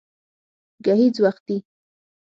گهيځ وختي